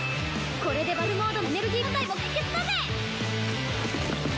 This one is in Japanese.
これでバトルモードのエネルギー問題も解決だぜ！